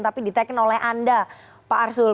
tapi diteken oleh anda pak arsul